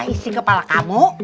isi kepala kamu